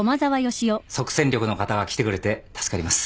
即戦力の方が来てくれて助かります。